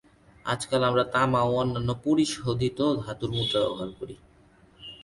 আজকাল আমরা তামা এবং অন্যান্য পরিশোধিত ধাতুর মুদ্রা ব্যবহার করি।